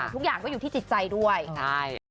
ทุกอย่างก็อยู่ที่จิตใจด้วยใช่